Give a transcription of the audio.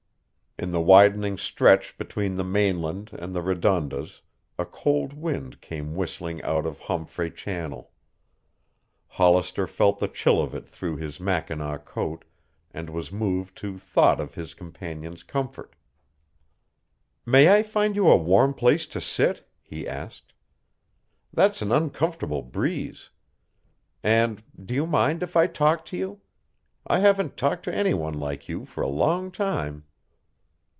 In the widening stretch between the mainland and the Redondas a cold wind came whistling out of Homfray Channel. Hollister felt the chill of it through his mackinaw coat and was moved to thought of his companion's comfort. "May I find you a warm place to sit?" he asked. "That's an uncomfortable breeze. And do you mind if I talk to you? I haven't talked to any one like you for a long time."